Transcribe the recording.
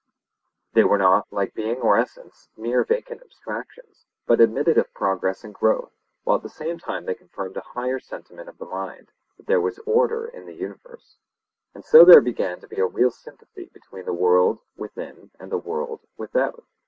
They were not, like being or essence, mere vacant abstractions, but admitted of progress and growth, while at the same time they confirmed a higher sentiment of the mind, that there was order in the universe. And so there began to be a real sympathy between the world within and the world without.